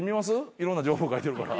いろんな情報書いてるから。